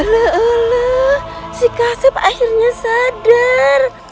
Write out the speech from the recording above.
ulu ulu si kasep akhirnya sadar